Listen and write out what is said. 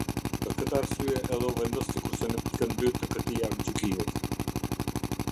Për këtë arsye edhe u vendos sikurse në pikën dy të këtij aktgjykimit.